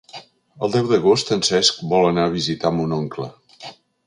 El deu d'agost en Cesc vol anar a visitar mon oncle.